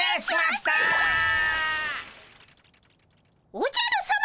おじゃるさま！